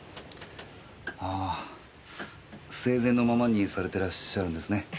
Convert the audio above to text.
あぁ生前のままにされてらっしゃるんですね。